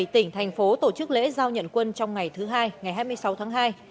bảy tỉnh thành phố tổ chức lễ giao nhận quân trong ngày thứ hai ngày hai mươi sáu tháng hai